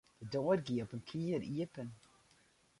De doar gie op in kier iepen.